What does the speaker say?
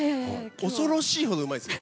恐ろしいほどうまいですよ。